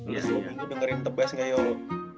lo selalu minggu dengerin tebas gak yolo